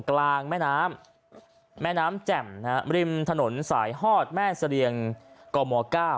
กลางแม่น้ำแจ่มริมถนนสายฮอดแม่เสรียงกม๙